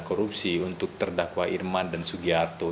korupsi untuk terdakwa irman dan sugiharto